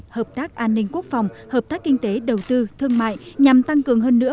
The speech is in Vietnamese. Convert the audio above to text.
hợp tác an ninh quốc phòng hợp tác kinh tế đầu tư thương mại nhằm tăng cường hơn nữa